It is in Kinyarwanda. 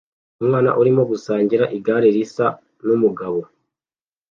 Umwana arimo gusangira igare risa numugabo